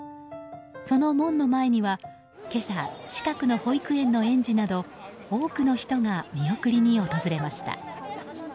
その門の前には今朝、近くの保育園の園児など多くの人が見送りに訪れました。